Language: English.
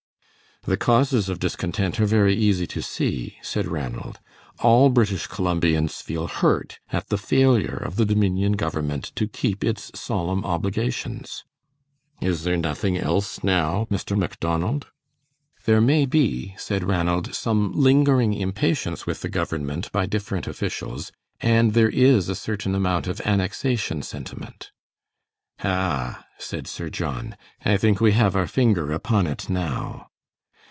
"The causes of discontent are very easy to see," said Ranald; "all British Columbians feel hurt at the failure of the Dominion government to keep its solemn obligations." "Is there nothing else now, Mr. Macdonald?" "There may be," said Ranald, "some lingering impatience with the government by different officials, and there is a certain amount of annexation sentiment." "Ah," said Sir John, "I think we have our finger upon it now."